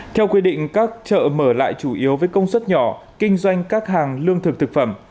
theo quy định các chợ mở lại chủ yếu với công suất nhỏ kinh doanh các hàng lương thực thực phẩm